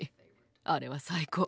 あれは最高。